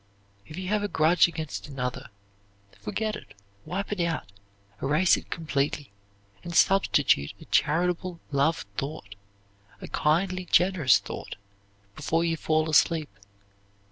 If you have a grudge against another, forget it, wipe it out, erase it completely, and substitute a charitable love thought, a kindly, generous thought, before you fall asleep.